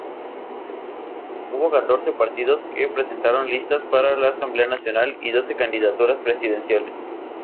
Hubo catorce partidos que presentaron listas para la Asamblea Nacional, y doce candidaturas presidenciales.